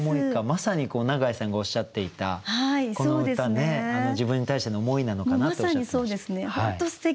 まさに永井さんがおっしゃっていたこの歌自分に対しての思いなのかなとおっしゃってました。